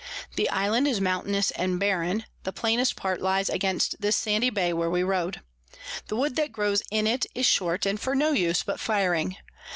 The Island is mountainous and barren, the plainest part lies against this sandy Bay where we rode. The Wood that grows in it is short, and for no use but Firing.